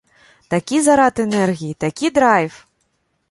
Такі зарад энергіі, такі драйв!